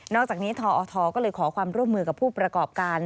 อกจากนี้ทอทก็เลยขอความร่วมมือกับผู้ประกอบการ